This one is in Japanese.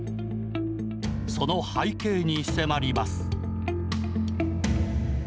その背景に迫ります。